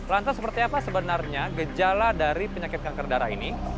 lantas seperti apa sebenarnya gejala dari penyakit kanker darah ini